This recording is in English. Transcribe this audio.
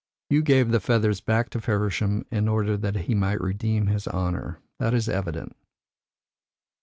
You gave the feathers back to Feversham in order that he might redeem his honour. That is evident."